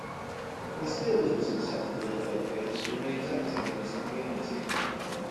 He still lives in South Philadelphia, and remains active in his community.